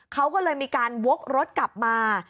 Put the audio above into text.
เขาก็เลยมีการวกรถกลับมา